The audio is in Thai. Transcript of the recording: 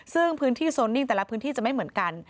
ซึ่งพื้นที่โซนิ่งแต่ละพื้นที่จะไม่เหมือนกัน